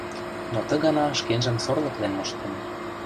Но ты гана шкенжым сорлыклен моштен.